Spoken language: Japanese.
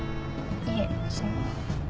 いえその。